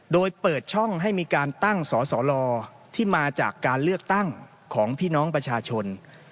โดยเปิดช่องให้มีการตั้งสสลที่มาจากการเลือกตั้งของพี่น้องประชาชน